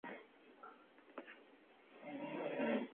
Más tarde fueron agregadas dos nuevas variantes, "Regin.B" y "Regin.C".